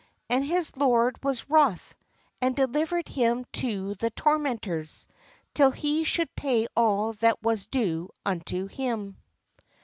And his lord was wroth, and delivered him to the tormentors, till he should pay all that was due unto him.